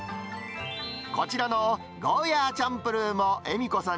こちらのゴーヤーちゃんぷるーも江美子さん